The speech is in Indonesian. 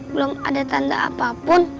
belum ada tanda apapun